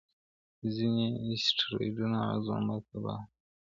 ځینې اسټروېډونه عضوي مرکبات لري.